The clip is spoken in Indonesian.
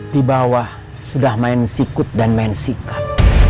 di bawah sudah main sikut dan main sikat